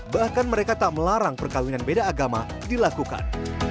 bahkan mereka tak melarang perkawinan beda agama dilakukan